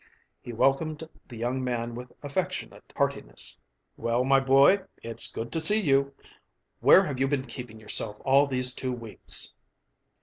He welcomed the young man with affectionate heartiness. "Well, my boy, it's good to see you! Where have you been keeping yourself all these two weeks?"